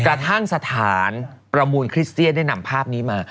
กระทั่งสถานประมูลคริสเตียนได้นำภาพนี้มา